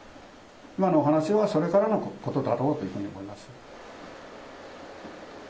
今のお話はそれからのことだろうというふうに思います。